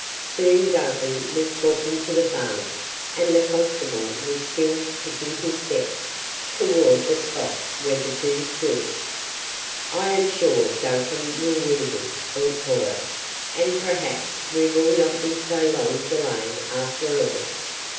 Soon Duncan was talking to the farmer and the constable was still "picking his steps" toward the spot where the two stood. "I am sure Duncan will win him," thought Cora, "and perhaps we will not be so long delayed, after all."